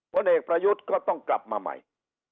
ผลเอกประยุทธ์ก็ต้องกลับมาใหม่